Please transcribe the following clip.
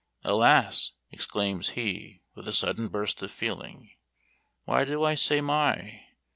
"Alas!" exclaims he, with a sudden burst of feeling, "why do I say my?